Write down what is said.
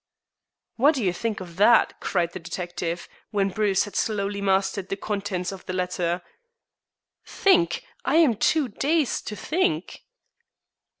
"What do you think of that?" cried the detective, when Bruce had slowly mastered the contents of the letter. "Think! I am too dazed to think."